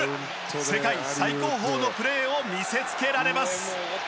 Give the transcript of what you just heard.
世界最高峰のプレーを見せつけられます。